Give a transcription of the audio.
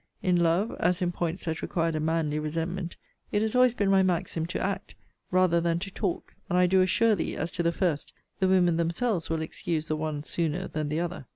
In love, as in points that required a manly resentment, it has always been my maxim, to act, rather than to talk; and I do assure thee, as to the first, the women themselves will excuse the one sooner than the other.